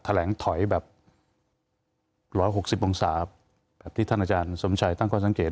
แถลงถอยแบบ๑๖๐องศาแบบที่ท่านอาจารย์สมชัยตั้งข้อสังเกต